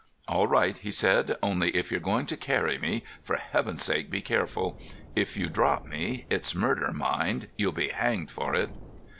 "All right," he said. "Only, if you're going to carry me, for Heaven's sake be careful. If you drop me, it's murder, mind. You'll be hanged for it."